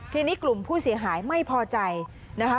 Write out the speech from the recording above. ทีนี้กลุ่มผู้เสียหายไม่พอใจนะคะ